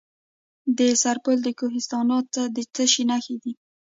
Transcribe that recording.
د سرپل په کوهستانات کې د څه شي نښې دي؟